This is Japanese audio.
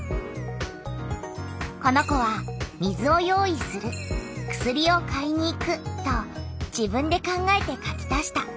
この子は「水を用意する」「薬を買いに行く」と自分で考えて書き足した。